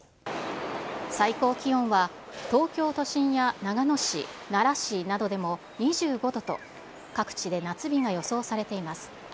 最高気温は東京都心や長野市、奈良市などでも２５度と、各地で夏日が予想されています。